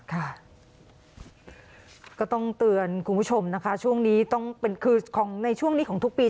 ก็ต้องเตือนคุณผู้ชมนะคะช่วงนี้ต้องเป็นคือของในช่วงนี้ของทุกปี